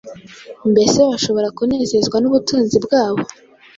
Mbese bashobora kunezezwa n’ubutunzi bwabo?